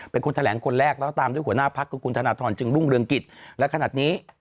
เป็นคนแถลงคนแรกแล้วตามด้วยหัวหน้าพักคือคุณธนทรจึงรุ่งเรืองกิจและขนาดนี้